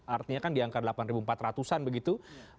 artinya kan di angka delapan empat ratus an begitu